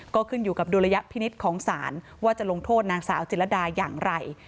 ก็ขึ้นอยู่กับดุลยพินิษฐ์ของศาลว่าจะลงโทษนางสาวจิลดาอย่างไร